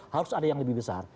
harus ada yang lebih besar